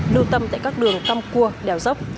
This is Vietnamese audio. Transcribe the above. lưu tâm tại các đường tăm cua đèo dốc